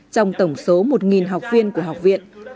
trong tổng số một học viên của học viện